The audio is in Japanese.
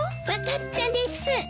分かったです。